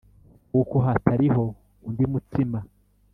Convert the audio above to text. kuko hatariho undi mutsima